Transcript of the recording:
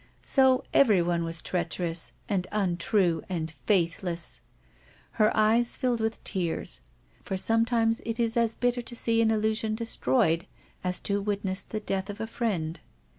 So everyone was treacherous, and untrue and faithless ! Her eyes filled with tears, for sometimes it is as bitter to see an illusion destroyed as to witness the death of a friend.